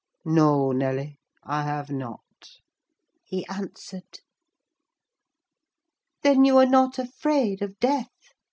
"No, Nelly, I have not," he answered. "Then you are not afraid of death?"